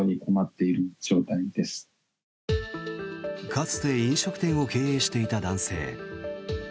かつて飲食店を経営していた男性。